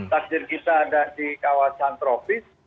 takdir kita ada di kawasan tropis